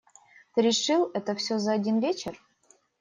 Ты решил это всё за один вечер?